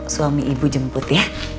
suami ibu jemput ya